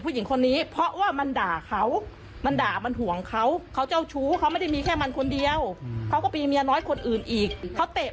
หน้าจะ๓๐ปีมั้ยตั้งแต่